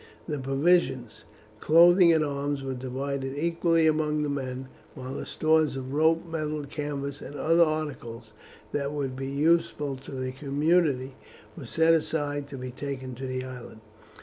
The provisions, clothing, and arms were divided equally among the men, while the stores of rope, metal, canvas, and other articles that would be useful to the community were set aside to be taken to the island.